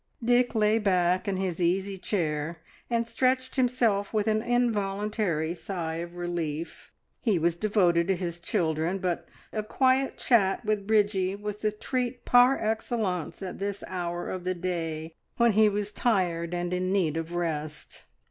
Dick lay back in his easy chair, and stretched himself with an involuntary sigh of relief. He was devoted to his children, but a quiet chat with Bridgie was the treat par excellence at this hour of the day when he was tired and in need of rest.